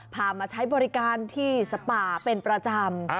พามาใช้บริการที่สปาเป็นประจำ